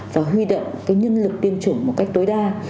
và huy động cái nhân lực tiêm chủng một cách tối đa